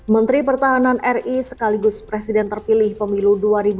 menteri pertahanan ri sekaligus presiden terpilih pemilu dua ribu dua puluh